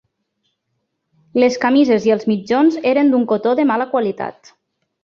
Les camises i els mitjons eren d'un cotó de mala qualitat